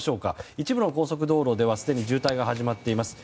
一部の高速道路では渋滞が始まっています。